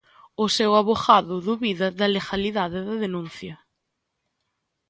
O seu avogado dubida da legalidade da denuncia.